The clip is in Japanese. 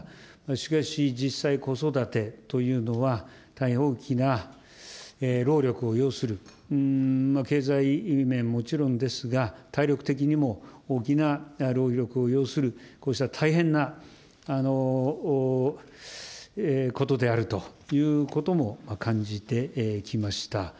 しかし、実際、子育てというのは、大変大きな労力を要する、経済面もちろんですが、体力的にも大きな労力を要する、こうした大変なことであるということも感じてきました。